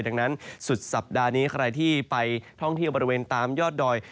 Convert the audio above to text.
ดังนั้นสุดสัปดาห์นี้ใครที่ไปท่องเที่ยวบริเวณตามยอดดอย